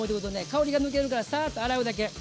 香りが抜けるからサーッと洗うだけ。